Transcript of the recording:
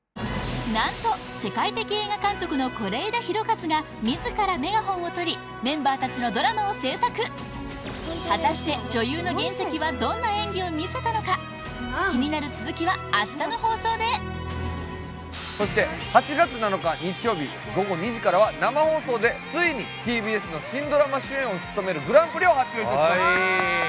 何と世界的映画監督の是枝裕和が自らメガホンをとりメンバー達のドラマを制作果たして女優の原石はどんな演技を見せたのか気になる続きは明日の放送でそして８月７日日曜日午後２時からは生放送でついにＴＢＳの新ドラマ主演を務めるグランプリを発表いたしますわ！